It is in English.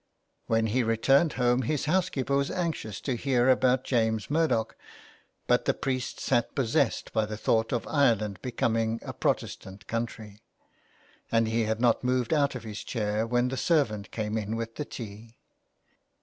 When he returned home, his housekeeper was anxious to hear about James Murdoch, but the priest sat possessed by the thought of Ireland becoming a Protestant country ; and he had not moved out of his chair when the servant came in with his tea.